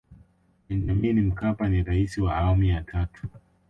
benjamin mkapa ni rais wa awamu ya tatu